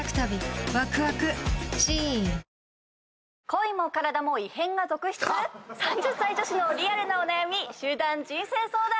恋も体も異変が続出⁉３０歳女子のリアルなお悩み集団人生相談！